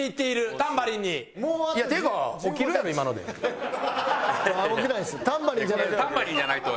タンバリンじゃないと。